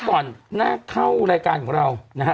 ที่จริงแล้วก่อนหน้าเข้ารายการของเรานะฮะ